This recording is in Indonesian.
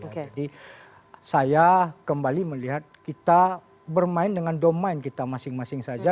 jadi saya kembali melihat kita bermain dengan domain kita masing masing saja